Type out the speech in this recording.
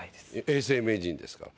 永世名人ですから。